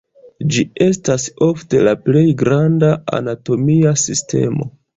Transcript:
Ĝi estas ofte la plej granda anatomia sistemo.